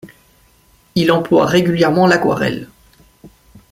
Il emploie régulièrement l'aquarelle.